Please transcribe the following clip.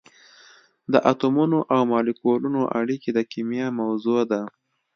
د اتمونو او مالیکولونو اړیکې د کېمیا موضوع ده.